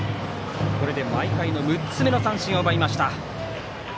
これで毎回の６つ目の三振を奪いました。